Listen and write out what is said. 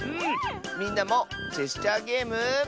みんなもジェスチャーゲーム。